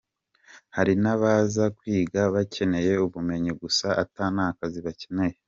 Hari n'abaza kwiga bakeneye ubumenyi gusa ata n'akazi bakeneye.